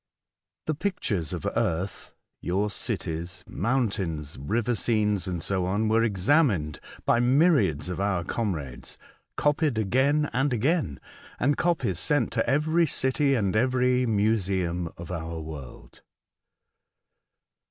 The pictures of earth — your cities, moun tains, river scenes and so on — were examined by myriads of our comrades, copied again and again, and copies sent to every city and every museum of our world.